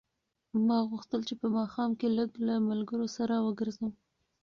ما غوښتل چې په ماښام کې لږ له ملګرو سره وګرځم.